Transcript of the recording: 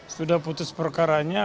sudah putus perkaranya